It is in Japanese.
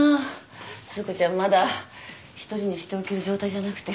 鈴子ちゃんまだ１人にしておける状態じゃなくて。